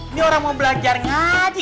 ini orang mau belajar nyaji